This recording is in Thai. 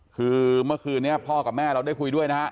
คือเมื่อคืนนี้พ่อกับแม่เราได้คุยด้วยนะฮะ